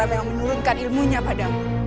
aku menurunkan ilmunya padamu